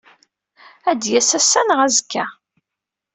Ad d-yas ass-a neɣ azekka.